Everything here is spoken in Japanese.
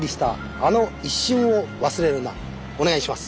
お願いします。